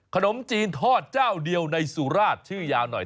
ขนมจีนทอดเจ้าเดียวในสุราชชื่อยาวหน่อย